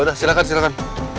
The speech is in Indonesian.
ya udah silahkan silahkan